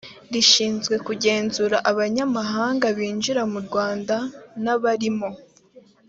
rishinzwe kugenzura abanyamahanga binjira mu rwanda n abarimo